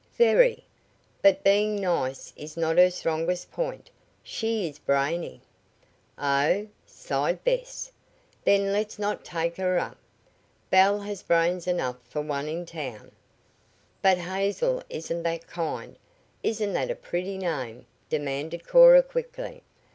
"Very. But being nice is not her strongest point. She is brainy." "O h h h!" sighed Bess. "Then let's not take her up. Belle has brains enough for one town." "But Hazel isn't that kind. Isn't that a pretty name?" demanded Cora quickly.